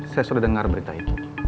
saya sudah dengar berita itu